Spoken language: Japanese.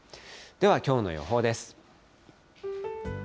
ではきょうの予報です。